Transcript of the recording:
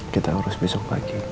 kita urus besok pagi